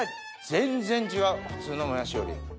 全然違う普通のもやしより。